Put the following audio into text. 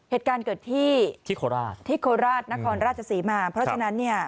เหตุการณ์เกิดที่ที่โคราชที่โคราชนครราชศรีมาเพราะฉะนั้นเนี่ย